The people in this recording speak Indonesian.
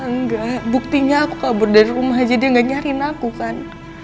enggak buktinya aku kabur dari rumah aja dia nggak nyariin aku kan